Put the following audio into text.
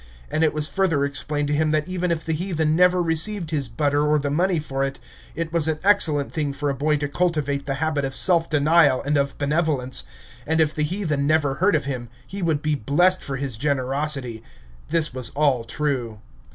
And it was further explained to him that even if the heathen never received his butter or the money for it, it was an excellent thing for a boy to cultivate the habit of self denial and of benevolence, and if the heathen never heard of him, he would be blessed for his generosity. This was all true.